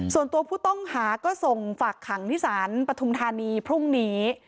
ส่วนตัวผู้ต้องหาก็ส่งฝากขังที่ศาลปฐุมธานีพรุ่งนี้